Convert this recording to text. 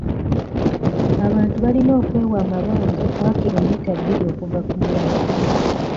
Abantu balina okwewa amabanga waakiri mmita bbiri okuva ku mulala.